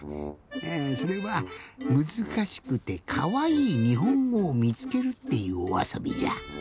えそれは「むずかしくてかわいいにほんごをみつける」っていうおあそびじゃ。